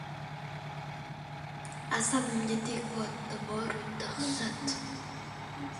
Guayakil shahridagi qamoqxonada otishma yuz berdi